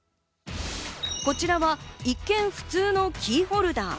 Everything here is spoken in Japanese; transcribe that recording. こちらは一見、普通のキーホルダー。